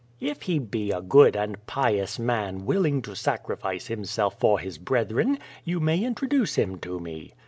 "If he be a good and pious man, willing to sacrifice himself for his brethren, you may introduce him to me."